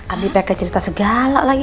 abis pk cerita segala lagi